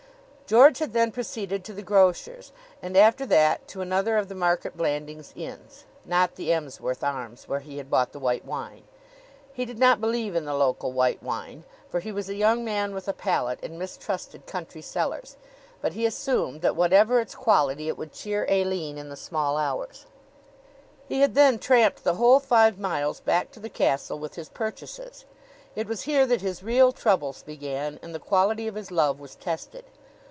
George had then proceeded to the grocer's, and after that to another of the Market Blandings inns, not the Emsworth Arms, where he had bought the white wine. He did not believe in the local white wine, for he was a young man with a palate and mistrusted country cellars, but he assumed that, whatever its quality, it would cheer Aline in the small hours. He had then tramped the whole five miles back to the castle with his purchases. It was here that his real troubles began and the quality of his love was tested.